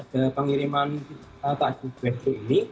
jadi ini mbak mia dan mas anok